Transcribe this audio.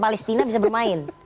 palestina bisa bermain